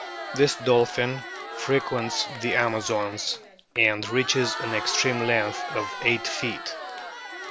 This dolphin frequents the Amazons, and reaches an extreme length of eio ht feet.